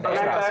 mau enggak pak